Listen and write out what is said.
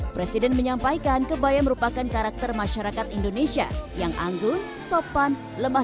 presiden menyampaikan kebaya merupakan karakter masyarakat indonesia yang anggun sopan lemah